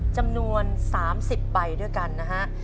จำนวน๓๐ใบด้วยกันนะฮะ